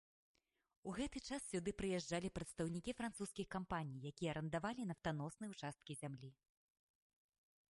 У гэты час сюды прыязджалі прадстаўнікі французскіх кампаній, якія арандавалі нафтаносныя ўчасткі зямлі.